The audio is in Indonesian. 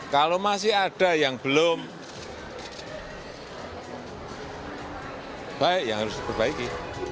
kalau masih ada yang belum baik ya harus diperbaiki